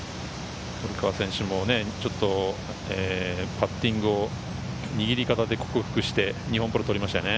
堀川選手もね、パッティングを握り方で克服して、日本プロを取りましたね。